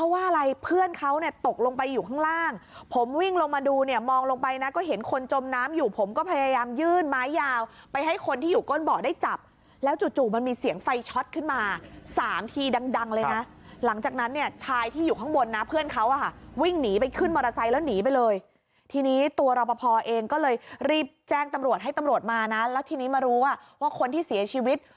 วิ่งลงมาดูเนี่ยมองลงไปน่ะก็เห็นคนจมน้ำอยู่ผมก็พยายามยื่นไม้ยาวไปให้คนที่อยู่ก้นบ่อได้จับแล้วจู่จู่มันมีเสียงไฟชอตขึ้นมาสามทีดังดังเลยน่ะหลังจากนั้นเนี่ยชายที่อยู่ข้างบนน่ะเพื่อนเขาอ่ะวิ่งหนีไปขึ้นมอเตอร์ไซต์แล้วหนีไปเลยทีนี้ตัวรบพอเองก็เลยรีบแจ้งตำรวจให้ตำรวจมาน่ะแล้วที